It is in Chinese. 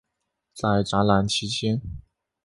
在展览期间。